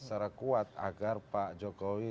secara kuat agar pak jokowi